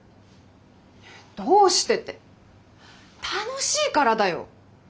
どうしてって楽しいからだよ！